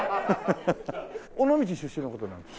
尾道出身の方なんですか？